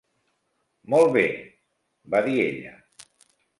Molt bé", va dir ella.